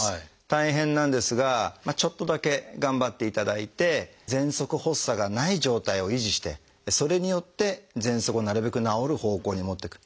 大変なんですがちょっとだけ頑張っていただいてぜんそく発作がない状態を維持してそれによってぜんそくをなるべく治る方向にもってく。